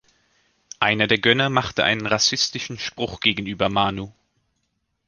Einer der Gönner macht einen rassistischen Spruch gegenüber Manu.